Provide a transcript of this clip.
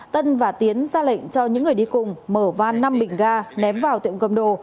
tân và tiến ra lệnh cho những người đi cùng mở van năm bình ga ném vào tiệm cầm đồ